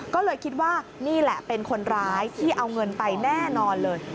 ก็เลยคิดว่านี่แหละเป็นคนร้ายที่เอาเงินไปแน่นอนเลย